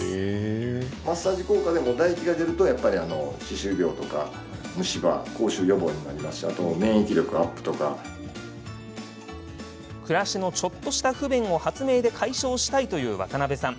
マッサージ効果でも唾液が出ると、やっぱり歯周病とか虫歯、口臭予防にもなりますし、免疫力アップとか。暮らしのちょっとした不便を発明で解消したいという渡部さん。